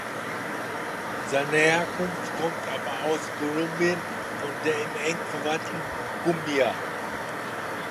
Seine Herkunft kommt aber aus Kolumbien von der ihm eng verwandten Cumbia.